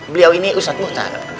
beliau ini ustadz muhtar